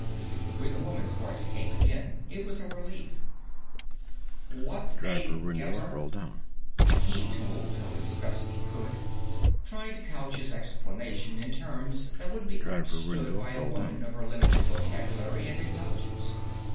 When the woman's voice came again, it was a relief. "What's a Guesser?" He told her as best he could, trying to couch his explanation in terms that would be understood by a woman of her limited vocabulary and intelligence.